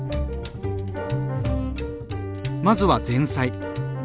まずは前菜。